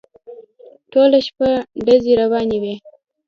ټوله شپه ډزې روانې وې.